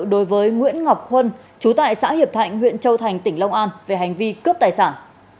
đối với nguyễn ngọc huân chú tại xã hiệp thạnh huyện châu thành tỉnh long an về hành vi cướp tài sản